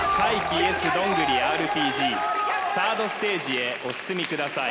ＹｅｓどんぐりＲＰＧサードステージへお進みください